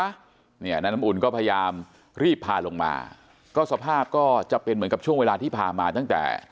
เนี่ยนายน้ำอุ่นก็พยายามรีบพาลงมาก็สภาพก็จะเป็นเหมือนกับช่วงเวลาที่พามาตั้งแต่